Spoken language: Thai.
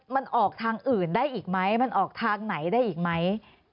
มันออกทางอื่นได้อีกไหมมันออกทางไหนได้อีกไหม